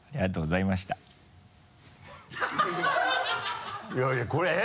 いやいやこれえっ？